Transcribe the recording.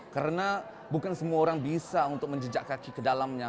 karena bukan semua orang bisa untuk menjejak kaki ke dalamnya